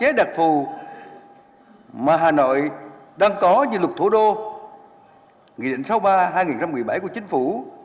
với đặc thù mà hà nội đang có như luật thủ đô nghị định sáu mươi ba hai nghìn một mươi bảy của chính phủ